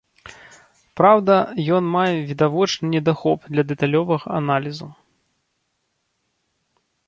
Праўда, ён мае відавочны недахоп для дэталёвага аналізу.